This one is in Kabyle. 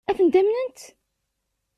Ad tent-amnent?